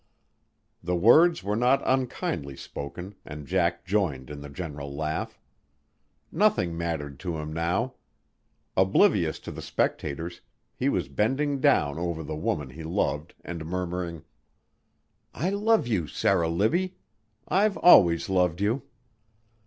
The words were not unkindly spoken and Jack joined in the general laugh. Nothing mattered to him now. Oblivious to the spectators, he was bending down over the woman he loved and murmuring: "I love you, Sarah Libbie. I've always loved you."